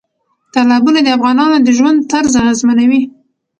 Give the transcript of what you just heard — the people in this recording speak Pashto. تالابونه د افغانانو د ژوند طرز اغېزمنوي.